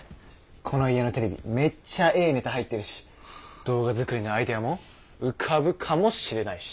この家のテレビめっちゃええネタ入ってるし動画作りのアイデアも浮かぶかもしれないし。